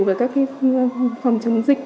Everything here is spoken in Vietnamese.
về các phòng chống dịch